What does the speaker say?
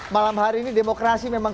malam hari ini demokrasi memang